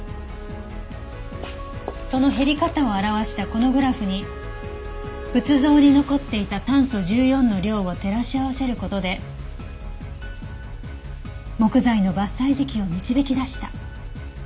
その減り方を表したこのグラフに仏像に残っていた炭素１４の量を照らし合わせる事で木材の伐採時期を導き出した。